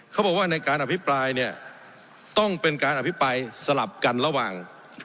เขาบอกว่าในการอภิปรายเนี่ยต้องเป็นการอภิปรายสลับกันระหว่าง